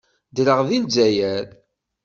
Ddreɣ deg Lezzayer.